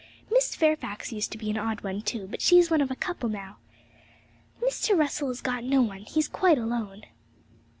Miss Fairfax used to be an odd one too, but she's one of a couple now. Mr. Russell has got no one; he's quite alone.'